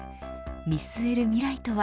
見据える未来とは。